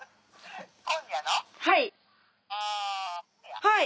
はい。